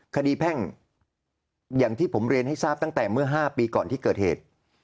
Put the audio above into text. แพ่งอย่างที่ผมเรียนให้ทราบตั้งแต่เมื่อ๕ปีก่อนที่เกิดเหตุ